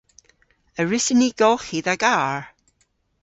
A wrussyn ni golghi dha garr?